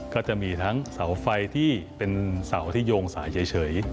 ก็จะมีทั้งเสาไฟที่เป็นเสาที่โยงสายเฉย